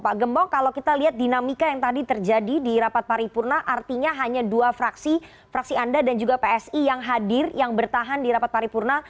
pak gembong kalau kita lihat dinamika yang tadi terjadi di rapat paripurna artinya hanya dua fraksi fraksi anda dan juga psi yang hadir yang bertahan di rapat paripurna